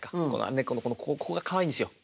猫のここがかわいいんですよ。